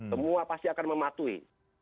semua pasti akan mematuhi